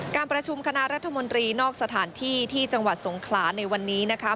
การประชุมคณะรัฐมนตรีนอกสถานที่ที่จังหวัดสงขลาในวันนี้นะคะ